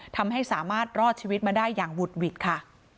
ทำให้สามารถรอดชีวิตมาได้อย่างหุดหวิดค่ะ